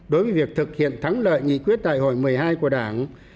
đối với việc thực hiện thắng lợi nghị quyết đại hội một mươi hai của đảng